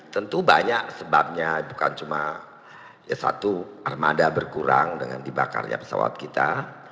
tentu banyak sebabnya bukan cuma satu armada berkurang dengan dibakarnya pesawat kita